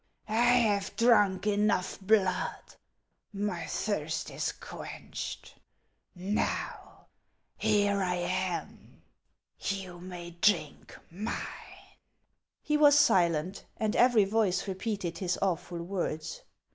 I have drunk enough Wood ; my thirst is quenched. Now, here I am ; you ma3T drink mine." Hi was silent, and every voice repeated his awful word*.